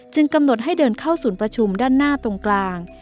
กำหนดให้เดินเข้าศูนย์ประชุมด้านหน้าตรงกลาง